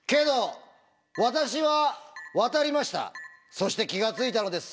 そして気が付いたのです「